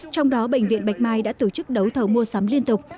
trong đó bệnh viện bạch mai đã tổ chức đấu thầu mua sắm liên tục